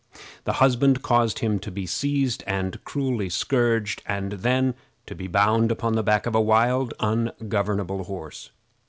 The husband caused him to be seized and cruelly scourged, and then to be bound upon the back of a wild, ungovernable horse.